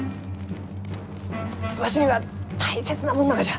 わしには大切なもんながじゃ。